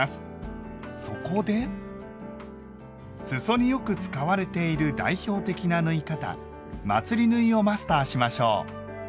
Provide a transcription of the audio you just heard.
そこですそによく使われている代表的な縫い方「まつり縫い」をマスターしましょう。